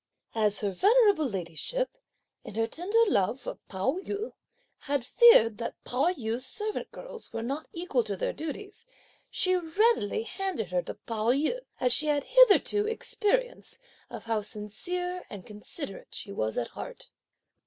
As her venerable ladyship, in her tender love for Pao yü, had feared that Pao yü's servant girls were not equal to their duties, she readily handed her to Pao yü, as she had hitherto had experience of how sincere and considerate she was at heart.